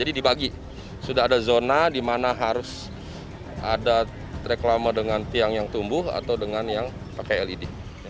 dibagi sudah ada zona di mana harus ada reklama dengan tiang yang tumbuh atau dengan yang pakai led